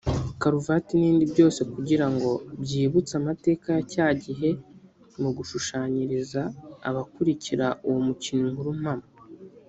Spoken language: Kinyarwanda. karuvati n’ibindi byose kugira ngo byibutse amateka ya cya gihe mu gushushanyiriza abakurikira uwo mukino inkuru mpamo